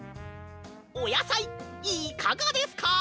おやさいいかがですか？